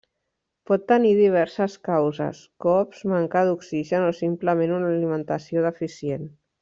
Pot tenir diverses causes: cops, manca d'oxigen o simplement una alimentació deficient.